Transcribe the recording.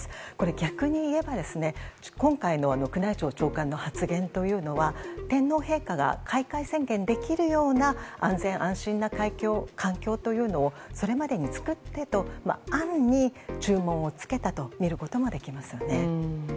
逆に言えば今回の宮内庁長官の発言というのは天皇陛下が開会宣言できるような安全・安心な環境というのをそれまでに作ってと安に注文を付けたと言えるとも思います。